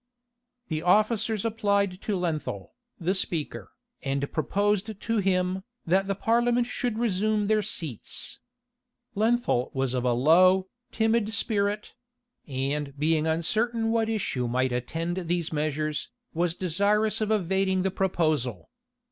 The officers applied to Lenthal, the speaker, and proposed to him, that the parliament should resume their seats. Lenthal was of a low, timid spirit; and being uncertain what issue might attend these measures, was desirous of evading the proposal.